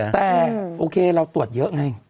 แต่โอเคเราตรวจเยอะไง